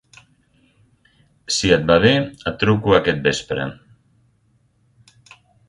Si et va bé, et truco aquest vespre.